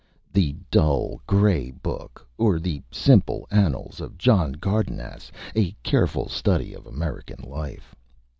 The dull, gray Book, or the Simple Annals of John Gardensass. A Careful Study of American Life.